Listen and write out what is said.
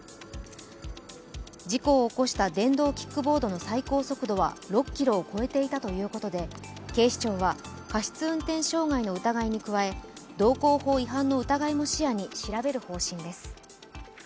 事故を起こした電動キックボードの最高速度は６キロを超えていたということで警視庁は過失運転傷害の疑いに加え、道交法違反の疑いも視野に調べる方針です。